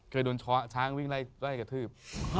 เคยโดนช้อช้างวิ่งไล่กระทืบ